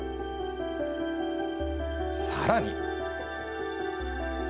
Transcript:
さらに。